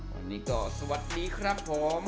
วันนี้ก็สวัสดีครับผม